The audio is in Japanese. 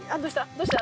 どうした？